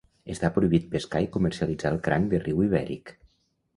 Està prohibit pescar i comercialitzar el cranc de riu ibèric.